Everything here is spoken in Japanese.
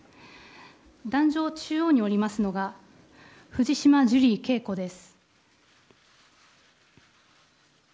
檀上中央におりますのが藤島ジュリー景子です。